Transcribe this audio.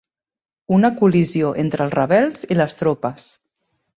Una col·lisió entre els rebels i les tropes.